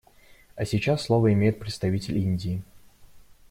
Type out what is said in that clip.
А сейчас слово имеет представитель Индии.